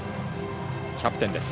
キャプテンです。